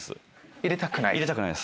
入れたくない？